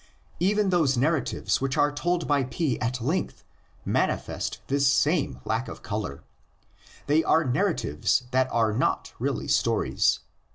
Even those narratives which are told by P at length manifest this same lack of color. They are narratives that are not really stories.